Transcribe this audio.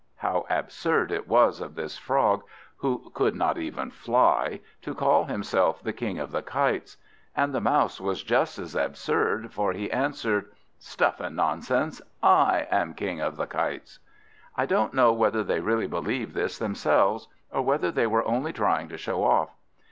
How absurd it was of this Frog, who could not even fly, to call himself the King of the Kites! And the Mouse was just as absurd, for he answered "Stuff and nonsense! I am King of the Kites!" I don't know whether they really believed this themselves, or whether they were only trying to show off.